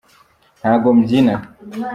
ntago mbyina.